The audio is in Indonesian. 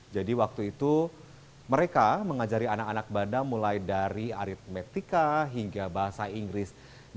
jadi waktu itu mereka mengajari anak anak banda mulai dari aritmetika hingga bahasa inggris